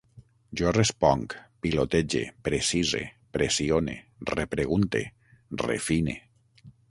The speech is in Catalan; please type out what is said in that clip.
Jo responc, pilotege, precise, pressione, repregunte, refine